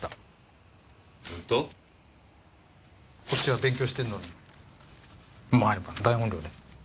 こっちは勉強してんのに毎晩大音量で。